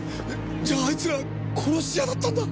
じゃあいつら殺し屋だったんだ！